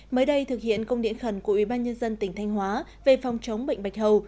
mới đây thực hiện công điện khẩn của ubnd tỉnh thanh hóa về phòng chống bệnh bạch hầu